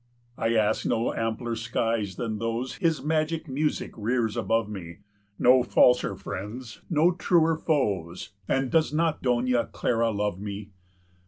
"I ask no ampler skies than those 45 His magic music rears above me, No falser friends, no truer foes, And does not Doña Clara love me?